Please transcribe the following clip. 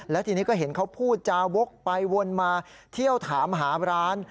แล้วทีนี้ก็เห็นเขาพูดจาวกไปวนมาเที่ยวถามหาร้าน